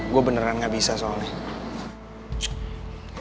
gue beneran gak bisa soalnya